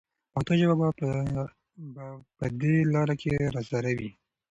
پښتو ژبه به په دې لاره کې راسره وي.